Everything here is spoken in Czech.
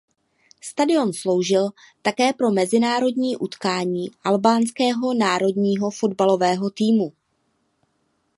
Stadion sloužil také pro mezinárodní utkání albánského národního fotbalového týmu.